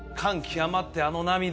極まってあの涙